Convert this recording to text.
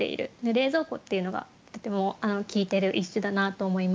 「冷蔵庫」っていうのがとても効いてる一首だなと思います。